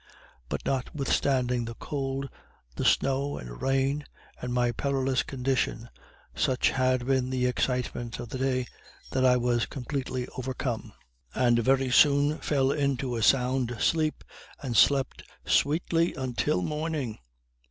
But notwithstanding the cold, the snow and rain, and my perilous condition, such had been the excitement of the day that I was completely overcome, and very soon fell into a sound sleep, and slept sweetly until morning.